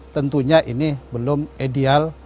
tentunya ini belum ideal